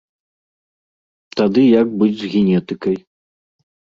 Тады як быць з генетыкай?